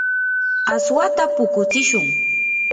aswata puqutsishun.